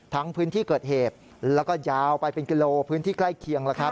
พื้นที่เกิดเหตุแล้วก็ยาวไปเป็นกิโลพื้นที่ใกล้เคียง